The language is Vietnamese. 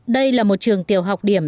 đây là một trường tiểu học điểm